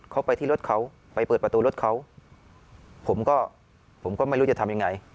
เขาไปที่รถเขาไปเปิดประตูรถเขาผมก็ผมก็ไม่รู้จะทำยังไง